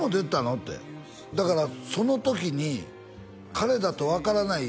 ってだからその時に彼だと分からない